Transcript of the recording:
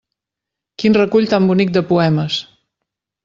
Quin recull tan bonic de poemes!